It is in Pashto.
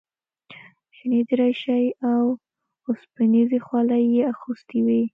شنې دریشۍ او اوسپنیزې خولۍ یې اغوستې وې.